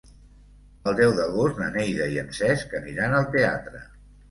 El deu d'agost na Neida i en Cesc aniran al teatre.